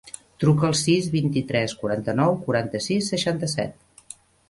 Truca al sis, vint-i-tres, quaranta-nou, quaranta-sis, seixanta-set.